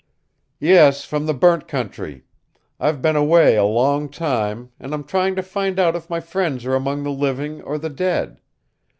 "Yes, from the burnt country. I've been away a long time, and I'm trying to find out if my friends are among the living or the dead.